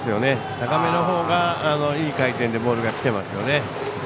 高めのほうがいい回転でボールがきていますよね。